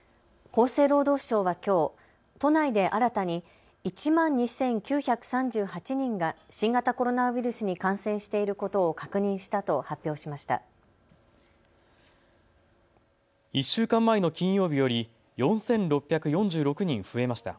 厚生労働省はきょう都内で新たに１万２９３８人が新型コロナウイルスに感染していることを確認したと発表しました。